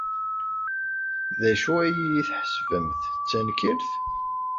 D acu ay iyi-tḥesbemt, d tankirt?